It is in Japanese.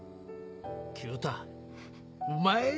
九太お前。